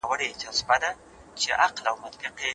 تخیل مو د ژوند د هدف لپاره وکاروئ.